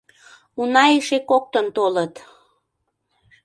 Уна эше коктын толыт.